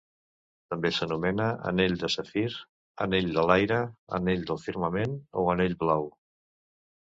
També s'anomena Anell de Safir, Anell de l'Aire, Anell del Firmament, o Anell Blau.